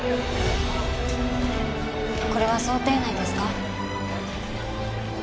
これは想定内ですか？